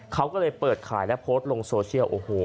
เขาก็เลยเปิดขายและโพสต์ลงโซเชียลโอ้โห